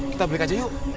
kita balik aja yuk